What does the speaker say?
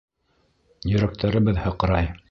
— Йөрәктәребеҙ һыҡрай.